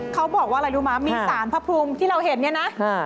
เขาบอกว่าอะไรรู้มั้ยมีสารพระภูมิที่เราเห็นเนี่ยนะ